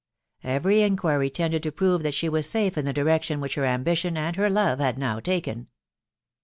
Every inquiry tended to prow that she was safe in the direction which her ambition and her love had now taken.